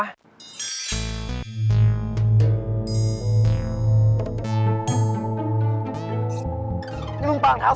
เล่าอยู่คลาดโลกมากเยอะนะเว้ย